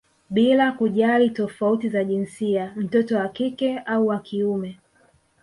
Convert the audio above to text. Bila kujali tofauti za jinsia mtoto wa kike au wa kiume